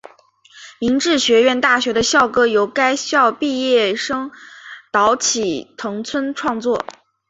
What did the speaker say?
明治学院大学的校歌由该校毕业生岛崎藤村创作。